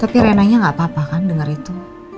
tapi reyna nya gak apa apa kan denger itu